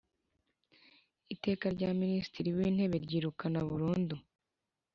Iteka rya Minisitiri w Intebe ryirukana burundu